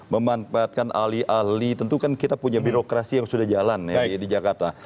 memanfaatkan ahli ahli tentu kan kita punya birokrasi yang sudah jalan di jakarta